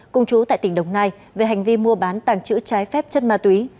cùng chú tại tỉnh đồng nai về hành vi mua bán tàng trữ trái phép chất ma túy